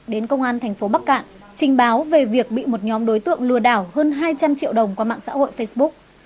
đến công an thành phố bắc cạn trình báo về việc bị một nhóm đối tượng lừa đảo hơn hai trăm linh triệu đồng qua mạng xã hội facebook